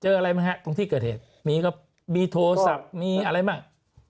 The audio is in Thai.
อะไรไหมฮะตรงที่เกิดเหตุมีครับมีโทรศัพท์มีอะไรบ้าง